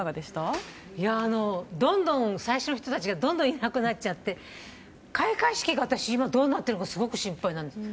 最初の人たちがどんどんいなくなっちゃって開会式が今、どうなってるのかすごく心配です。